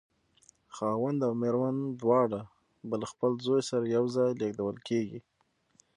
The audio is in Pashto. خاوند او مېرمن دواړه به له خپل زوی سره یو ځای لېږدول کېږي.